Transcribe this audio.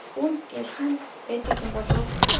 Үүнд л ялгаа нь байдаг юм ойлгов уу?